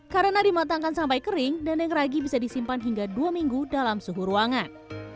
karena dimatangkan sampai kering dendeng ragi bisa disimpan hingga dua minggu dalam suhu ruangan